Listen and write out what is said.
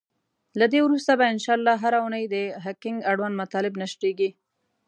له دی وروسته به ان شاءالله هره اونۍ د هکینګ اړوند مطالب نشریږی.